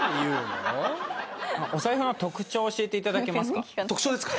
お財布の特徴教えていただけますか？